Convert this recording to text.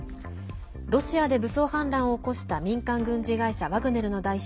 ロシアで武装反乱を起こした民間軍事会社ワグネルの代表